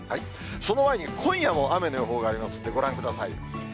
その前に今夜も雨の予報がありますので、ご覧ください。